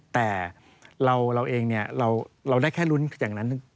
แต่เราเองเนี่ยเราได้แค่ลุ้นอย่างนั้น